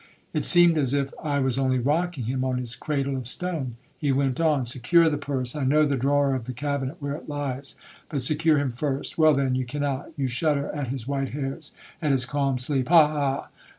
It seemed as if I was only rocking him on his cradle of stone. He went on, 'Secure the purse, I know the drawer of the cabinet where it lies, but secure him first. Well, then, you cannot,—you shudder at his white hairs, at his calm sleep!—ha! ha!